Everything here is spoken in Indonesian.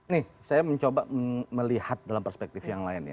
nih saya mencoba melihat dalam perspektif yang lain ya